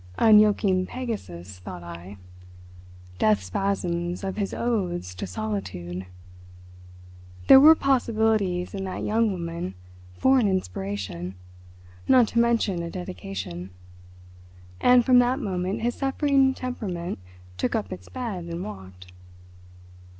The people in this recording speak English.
Unyoking Pegasus, thought I. Death spasms of his Odes to Solitude! There were possibilities in that young woman for an inspiration, not to mention a dedication, and from that moment his suffering temperament took up its bed and walked.